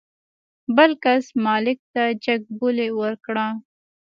بل کس مالک ته جګ بولي ورکړه.